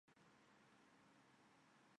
转化兴趣为专业